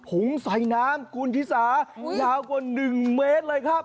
ถุงใส่น้ำคุณชิสายาวกว่า๑เมตรเลยครับ